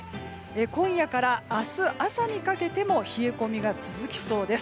今夜から明日朝にかけても冷え込みが続きそうです。